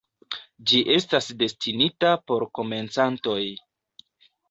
Ĝi estas destinita por komencantoj.